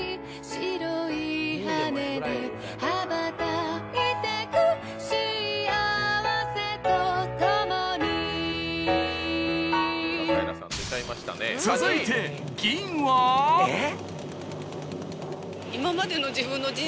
白い羽ではばたいてく幸せと共に続いて銀はたぶん。